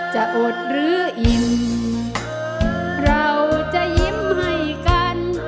จะอดหรืออิ่มเราจะยิ้มให้กัน